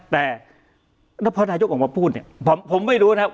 แต่แล้วพอนายกออกมาพูดเนี่ยผมไม่รู้นะครับ